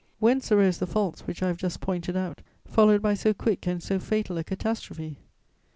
Whence arose the faults which I have just pointed out, followed by so quick and so fatal a catastrophe?